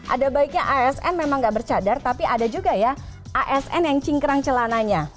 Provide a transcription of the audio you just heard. ada baiknya asn memang nggak bercadar tapi ada juga ya asn yang cingkrang celananya